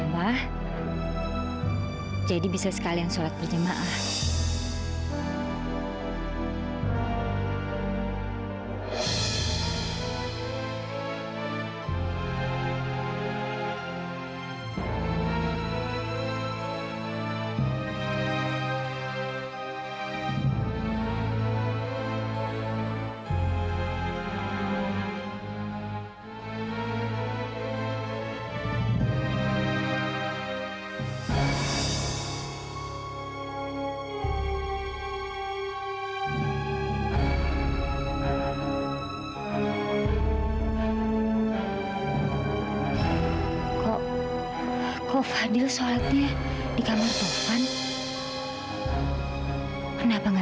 fadil sholat di kamar tovan